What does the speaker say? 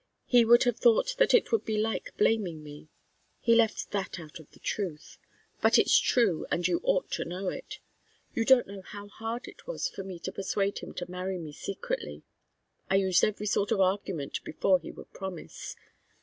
He would have thought that it would be like blaming me. He left that out of the truth. But it's true, and you ought to know it. You don't know how hard it was for me to persuade him to marry me secretly. I used every sort of argument before he would promise.